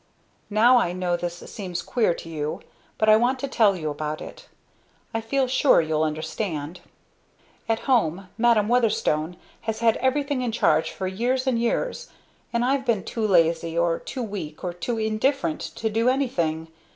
Now, I know this seems queer to you, but I want to tell you about it. I feel sure you'll understand. At home, Madam Weatherstone has had everything in charge for years and years, and I've been too lazy or too weak, or too indifferent, to do anything.